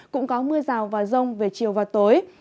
cũng có mưa rào và rông về chiều và tối